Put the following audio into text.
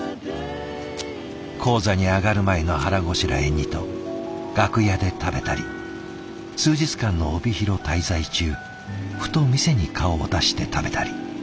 高座に上がる前の腹ごしらえにと楽屋で食べたり数日間の帯広滞在中ふと店に顔を出して食べたり。